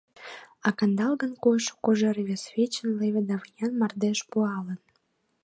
А кандалгын койшо кожер вес вечын леве да виян мардеж пуалын.